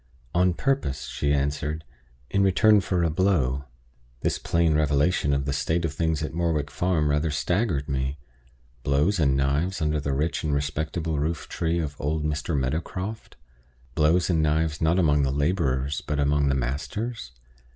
"On purpose," she answered. "In return for a blow." This plain revelation of the state of things at Morwick Farm rather staggered me blows and knives under the rich and respectable roof tree of old Mr. Meadowcroft blows and knives, not among the laborers, but among the masters!